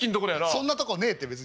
そんなとこねえって別に。